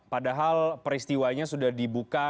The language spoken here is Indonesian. padahal peristiwanya sudah dibuka